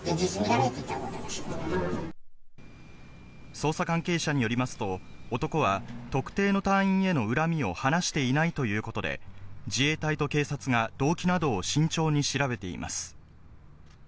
捜査関係者によりますと、男は特定の隊員への恨みを話していないということで、自衛隊と警察が動機などを慎重に調べています。